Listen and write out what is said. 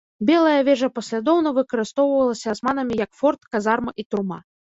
Белая вежа паслядоўна выкарыстоўвалася асманамі як форт, казарма і турма.